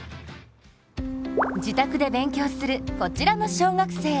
自宅で勉強するこちらの小学生。